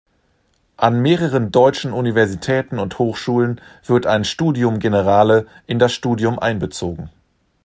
An mehreren deutschen Universitäten und Hochschulen wird ein "Studium generale" in das Studium einbezogen.